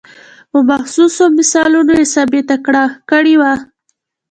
په محسوسو مثالونو یې ثابته کړې وه.